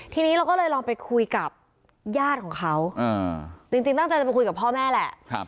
ทีนี้เราก็เลยลองไปคุยกับญาติของเขาจริงตั้งใจจะไปคุยกับพ่อแม่แหละ